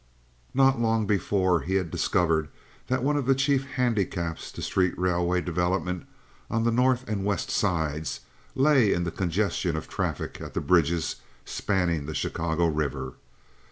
Not long before he had discovered that one of the chief handicaps to street railway development, on the North and West Sides, lay in the congestion of traffic at the bridges spanning the Chicago River.